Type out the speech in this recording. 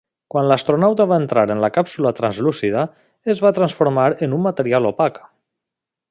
Quan l'astronauta va entrar en la càpsula translúcida, es va transformar en un material opac.